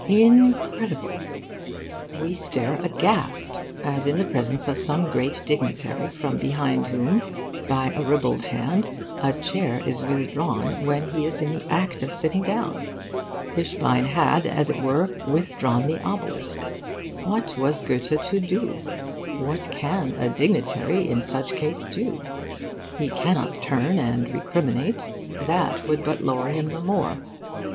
Incredible! We stare aghast, as in the presence of some great dignitary from behind whom, by a ribald hand, a chair is withdrawn when he is in the act of sitting down. Tischbein had, as it were, withdrawn the obelisk. What was Goethe to do? What can a dignitary, in such case, do? He cannot turn and recriminate. That would but lower him the more.